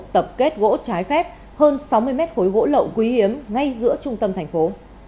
tập kết gỗ trái phép hơn sáu mươi mét khối gỗ lậu quý hiếm ngay giữa trung tâm thành phố